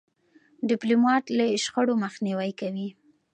ډيپلومات له شخړو مخنیوی کوي.